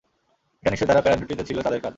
এটা নিশ্চয়ই যারা প্যারা-ডিউটিতে ছিল তাদের কাজ।